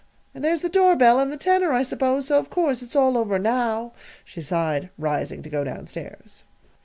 And there's the doorbell, and the tenor, I suppose; so of course it's all over now," she sighed, rising to go down stairs.